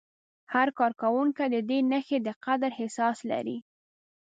هر کارکوونکی د دې نښې د قدر احساس لري.